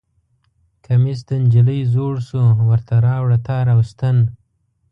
کمیس د نجلۍ زوړ شو ورته راوړه تار او ستن